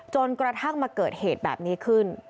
จนกระทั่งมาเกิดเหตุแบบนี้ขึ้น